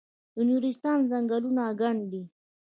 د نورستان ځنګلونه ګڼ دي